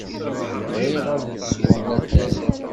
Bɣiɣ ad sweɣ latay.